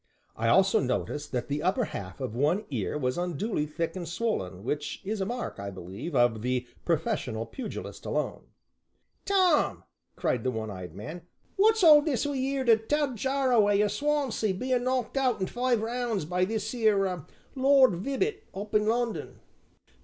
I also noticed that the upper half of one ear was unduly thick and swollen, which is a mark (I believe) of the professional pugilist alone. "Tom," cried the one eyed man, "wot's all this we heerd of Ted Jarraway of Swansea bein' knocked out in five rounds by this 'ere Lord Vibbot, up in London?"